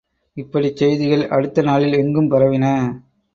இப்படிச் செய்திகள் அடுத்த நாளில் எங்கும் பரவின.